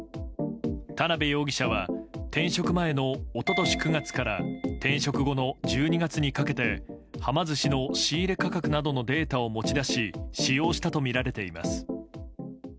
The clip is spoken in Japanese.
田辺容疑者は転職前の一昨年９月から転職後の１２月にかけてはま寿司の仕入れ価格などのデータを持ち出し使用したとみられています。